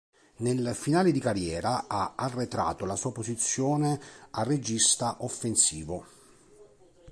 Nel finale di carriera ha arretrato la sua posizione a regista offensivo.